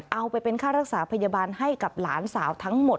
เอาไปเป็นค่ารักษาพยาบาลให้กับหลานสาวทั้งหมด